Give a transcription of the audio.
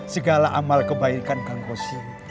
segala amal kebaikan kang kosin